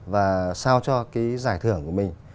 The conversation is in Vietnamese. và sao cho cái giải thưởng của mình